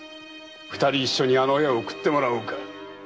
二人一緒にあの世へ送ってもらおうか。